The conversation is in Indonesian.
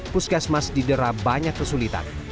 puskesmas didera banyak kesulitan